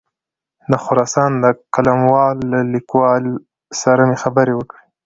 د خراسان د قلموال له لیکوال سره مې خبرې وکړې.